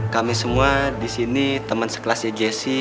kami semua disini temen sekelasnya jessi